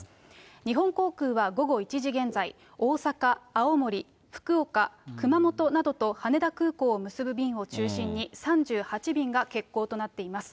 日本航空は午後１時現在、大阪、青森、福岡、熊本などと羽田空港を結ぶ便を中心に、３８便が欠航となっています。